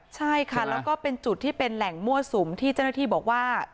ใช่ค่ะแล้วก็เป็นจุดที่เป็นแหล่งมั่วสุมที่เจ้าหน้าที่บอกว่า